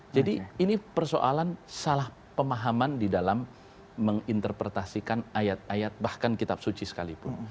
jadi ini persoalan salah pemahaman di dalam menginterpretasikan ayat ayat bahkan kitab suci sekalipun